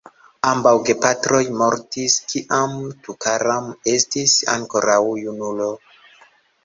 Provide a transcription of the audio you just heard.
Ambaŭ gepatroj mortis kiam Tukaram estis ankoraŭ junulo.